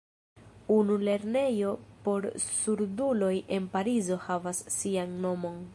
Unu lernejo por surduloj en Parizo havas sian nomon.